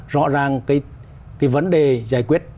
cái vấn đề giải quyết